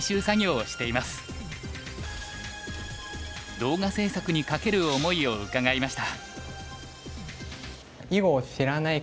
動画制作にかける思いを伺いました。